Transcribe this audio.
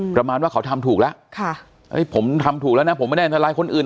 ประมาณว่าเขาทำถูกแล้วผมทำถูกแล้วนะผมไม่ได้อันตรายคนอื่น